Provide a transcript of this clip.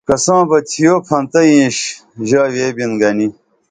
کساں بئی تھیو پھنتہ اینش ژا ویبِن گنی